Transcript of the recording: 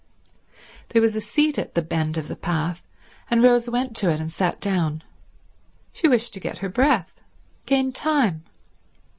There was a seat at the bend of the path, and Rose went to it and sat down. She wished to get her breath, gain time.